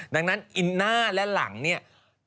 ดังนั้นอินหน้าและหลังเนี่ย